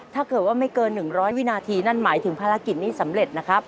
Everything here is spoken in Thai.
ถ้าเกิดว่าไม่เกิน๑๐๐วินาทีนั่นหมายถึงภารกิจนี้สำเร็จนะครับ